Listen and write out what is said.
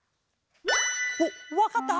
おっわかった？